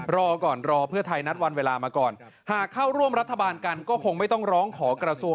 รอก่อนรอเพื่อไทยนัดวันเวลามาก่อนหากเข้าร่วมรัฐบาลกันก็คงไม่ต้องร้องขอกระทรวง